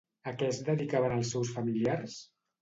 A què es dedicaven els seus familiars?